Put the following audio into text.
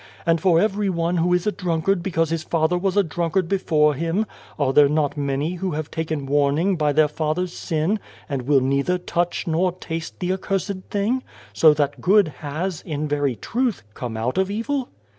And for every one who is a drunkard because his father was a drunkard before him, are there not many who have taken warning by their father's sin, and will neither touch nor taste 47 God and the Ant the accursed thing, so that good has, in very truth, come out of evil